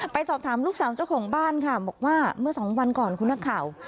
ไปสอบถามลูกสาวเจ้าของบ้านค่ะบอกว่าเมื่อสองวันก่อนคุณนักข่าว